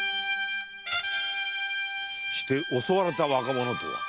して襲われた若者とは？